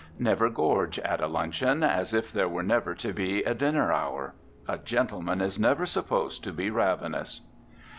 Never gorge at a luncheon, as if there were never to be a dinner hour. A gentleman is never supposed to be ravenous.